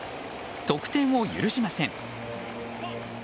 得点を許しません。